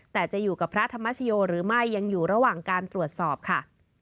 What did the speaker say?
แต่จะอยู่กับพระธรรมชโยหรือไม่ยังอยู่ระหว่างการตรวจสอบค่ะ